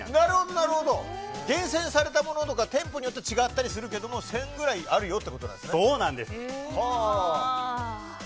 なるほど、厳選されたものとか店舗によって違ったりするけど１０００ぐらいあるよということですね。